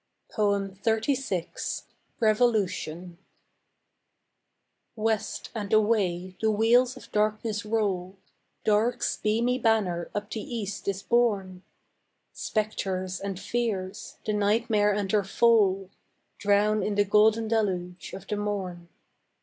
XXXVI. REVOLUTION West and away the wheels of darkness roll, Day's beamy banner up the east is borne, Spectres and fears, the nightmare and her foal, Drown in the golden deluge of the morn.